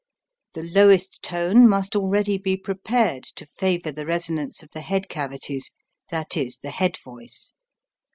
The lowest tone must already be prepared to favor the resonance of the head cavities, that is the head voice.